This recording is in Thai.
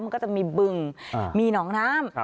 มันก็จะมีบึงมีหนองน้ำ